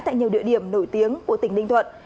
tại nhiều địa điểm nổi tiếng của tỉnh ninh thuận